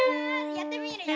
やってみるよ。